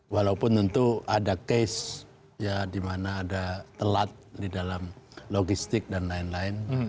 walaupun tentu ada case ya di mana ada telat di dalam logistik dan lain lain